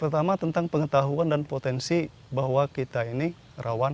pertama tentang pengetahuan dan potensi bahwa kita ini rawan